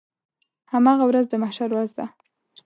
هماغه ورځ د محشر ورځ ده.